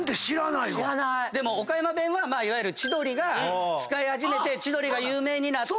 岡山弁は千鳥が使い始めて千鳥が有名になって。